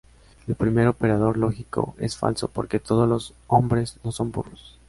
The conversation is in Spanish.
El primer operador lógico es falso porque todos los hombres no son burros.